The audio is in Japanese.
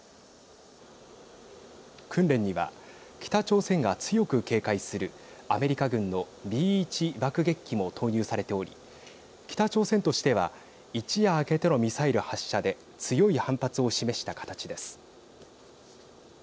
訓練には北朝鮮が強く警戒するアメリカ軍のＢ１爆撃機も投入されており北朝鮮としては一夜明けてのミサイル発射で強い反発を示した形です。